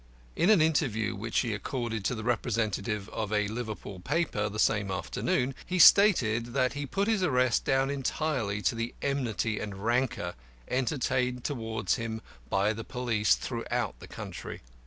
In an interview which he accorded to the representative of a Liverpool paper the same afternoon, he stated that he put his arrest down entirely to the enmity and rancour entertained towards him by the police throughout the country.